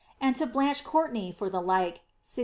and to Blanche Courtnaye for the like, 6d#.